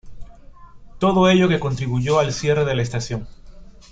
Todo ello que contribuyó al cierre de la estación.